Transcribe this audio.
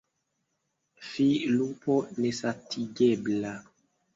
fi, lupo nesatigebla!